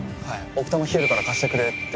奥多摩冷えるから貸してくれって。